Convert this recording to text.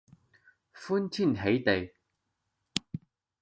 歡天喜地